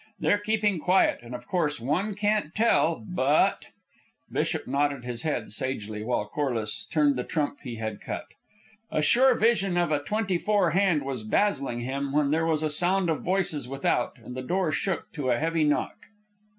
They're keeping quiet, and of course one can't tell, but ..." Bishop nodded his head sagely, while Corliss turned the trump he had cut. A sure vision of a "twenty four" hand was dazzling him, when there was a sound of voices without and the door shook to a heavy knock.